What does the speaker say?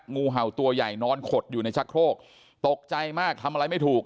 งูเห่าตัวใหญ่นอนขดอยู่ในชะโครกตกใจมากทำอะไรไม่ถูก